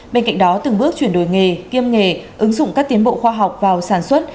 bên cạnh đó từng bước chuyển đổi nghề kiêm nghề ứng dụng các tiến bộ khoa học vào sản xuất